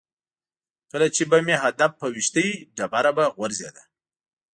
کله چې به مې هدف په ویشتی ډېره به غورځېده.